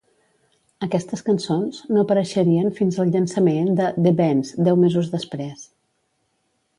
Aquestes cançons no apareixerien fins al llançament de "The Bends", deu mesos després.